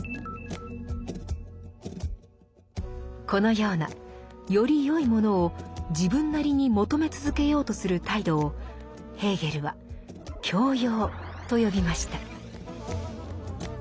このようなよりよいものを自分なりに求め続けようとする態度をヘーゲルは「教養」と呼びました。